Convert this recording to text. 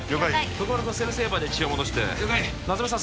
徳丸君セルセーバーで血を戻して了解夏梅さん